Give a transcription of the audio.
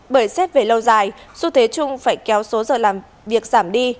bởi xét về lâu dài xu thế chung phải kéo số giờ làm việc giảm đi